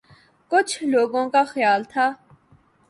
کچھ لوگوں کا خیال تھا